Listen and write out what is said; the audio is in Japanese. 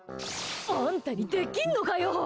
あんたにできんのかよ！